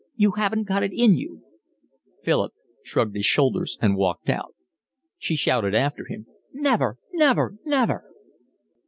You haven't got it in you." Philip shrugged his shoulders and walked out. She shouted after him. "Never, never, never."